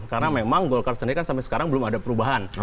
karena memang golkar sendiri kan sampai sekarang belum ada perubahan